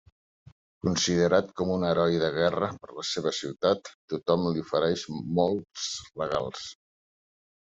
Considerat com un heroi de guerra per la seva ciutat, tothom li ofereix molts regals.